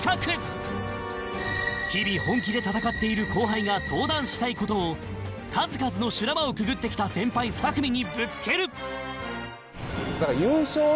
日々本気で戦っている後輩が相談したい事を数々の修羅場をくぐってきた先輩２組にぶつける！